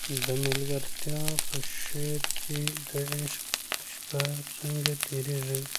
د ملکیار په شعر کې د عشق شپه څنګه تېرېږي؟